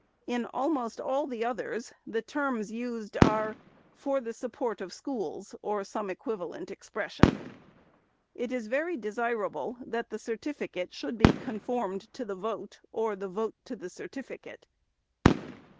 In almost all the others, the terms used are " for the support of schools," or some equivalent expres sion. It is very desirable that the certificate should be conformed to the vote, or the vote to the certificate.